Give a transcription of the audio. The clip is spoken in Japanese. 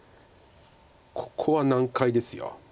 ここは難解です。